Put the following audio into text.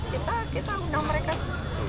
kita undang mereka semua